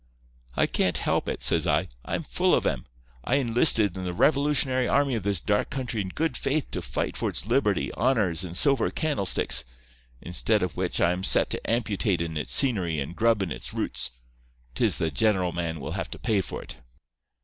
"'I can't help it,' says I; 'I'm full of 'em. I enlisted in the revolutionary army of this dark country in good faith to fight for its liberty, honours and silver candlesticks; instead of which I am set to amputatin' its scenery and grubbin' its roots. 'Tis the general man will have to pay for it.